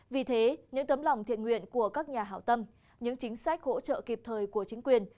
vì thế những tấm lòng thiện nguyện của các nhà hảo tâm những chính sách hỗ trợ kịp thời của chính quyền